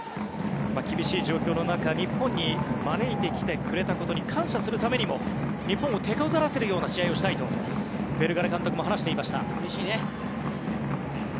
厳しい状況の中日本に招いてきてくれたことに感謝するためにも日本をてこずらせるような試合をしたいとうれしいね。